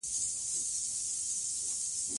د بانکي تادیاتو چټکتیا د خلکو باور زیاتوي.